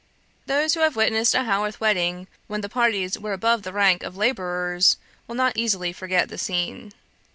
"Those who have witnessed a Haworth wedding when the parties were above the rank of labourers, will not easily forget the scene.